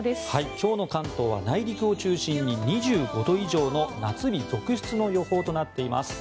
今日の関東は内陸を中心に２５度以上の夏日続出の予報となっています。